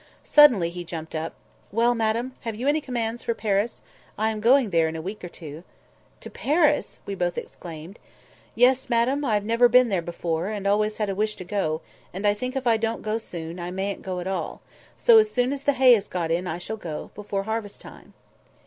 Suddenly he jumped up— "Well, madam! have you any commands for Paris? I am going there in a week or two." "To Paris!" we both exclaimed. "Yes, madam! I've never been there, and always had a wish to go; and I think if I don't go soon, I mayn't go at all; so as soon as the hay is got in I shall go, before harvest time."